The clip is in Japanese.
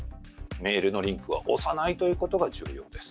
メールのリンクは押さないということが重要です。